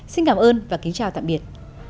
xin cảm ơn và kính chào tạm biệt